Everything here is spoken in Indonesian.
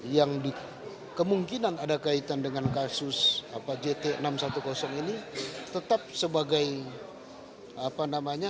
yang kemungkinan ada kaitan dengan kasus jt enam ratus sepuluh ini tetap sebagai apa namanya